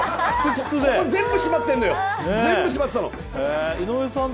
ここ全部締まってるのよ、全部締まってたの。